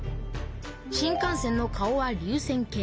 新幹線の顔は流線形。